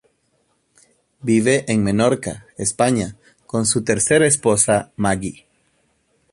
Vive en Menorca, España, con su tercera esposa, Maggie.